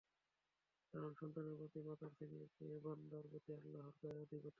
কারণ সন্তানের প্রতি মাতার স্নেহের চেয়ে বান্দাহর প্রতি আল্লাহর দয়া অধিকতর।